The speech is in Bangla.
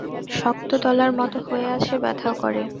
শক্ত দলার মত হয়ে আছে ব্যথাও করে।